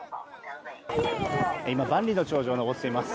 今万里の長城に登っています。